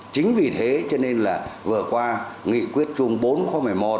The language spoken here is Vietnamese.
chính vì thế cho nên là vừa qua nghị quyết chung bốn khóa một mươi một